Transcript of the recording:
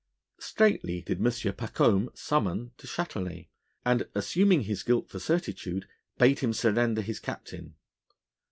Straightly did M. Pacôme summon Du Chtelet, and, assuming his guilt for certitude, bade him surrender his captain.